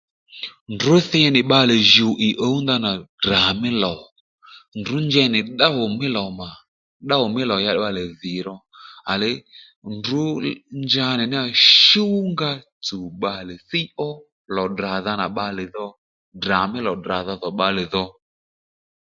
Ndrǔ thi nì bbalè jùw ì ǔw ndanà Ddrà mí lò ndrǔ njey nì tdôw mí lò mà tdôw mí lò ya bbalè dhì ro à le ndrǔ nja nì ní yà shú nga tsùw bbalè thíy ó lò tdradha nà bbalè dho Ddrà mí lò tdradha dho bbalè dhò